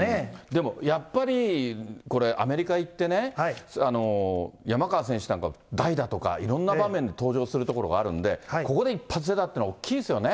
でもやっぱり、これアメリカ行ってね、山川選手なんか、代打とか、いろんな場面で登場するところがあるんで、ここで一発出たっていうのは大きいですよね。